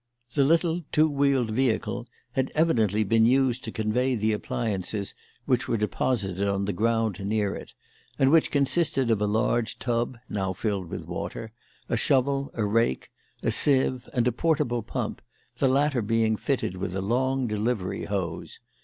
The little two wheeled vehicle had evidently been used to convey the appliances which were deposited on the ground near it, and which consisted of a large tub now filled with water a shovel, a rake, a sieve, and a portable pump, the latter being fitted with a long delivery hose.